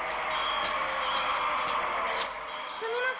すみません。